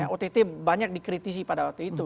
ott banyak dikritisi pada waktu itu